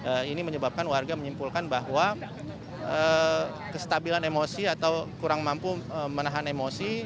dan ini menyebabkan warga menyimpulkan bahwa kestabilan emosi atau kurang mampu menahan emosi